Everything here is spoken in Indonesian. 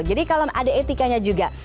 jadi kalau ada etikanya juga